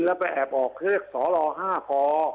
แล้วไปแอบออกเคล็กสอล่อ๕ค